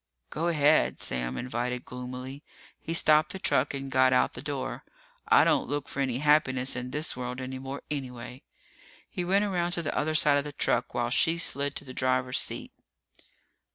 "Go ahead," Sam invited gloomily. He stopped the truck and got out the door. "I don't look for any happiness in this world any more, anyway." He went around to the other side of the truck while she slid to the driver's seat.